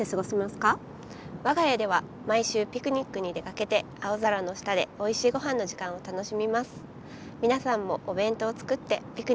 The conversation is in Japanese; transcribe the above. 我が家では毎週ピクニックに出かけて青空の下でおいしいごはんの時間を楽しみます。